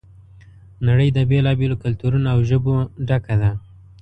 نړۍ د بېلا بېلو کلتورونو او ژبو ډکه ده.